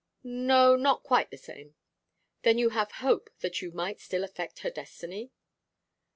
'No, not quite the same.' 'Then you have hope that you might still affect her destiny?